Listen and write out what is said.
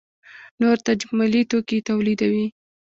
نور تجملي توکي تولیدوي.